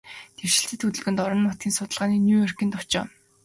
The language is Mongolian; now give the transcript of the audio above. Дэвшилтэт хөдөлгөөнд, орон нутгийн судалгааны Нью-Йоркийн товчоо